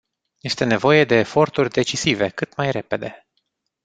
Este nevoie de eforturi decisive, cât mai repede.